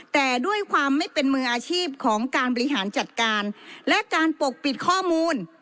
แต่ด้วยความไม่เป็นมืออาชีพของการบริหารจัดการและการปกปิดข้อมูล